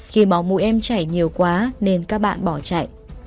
khi máu mũi em chảy nhiều quá nên các bạn bỏ chạy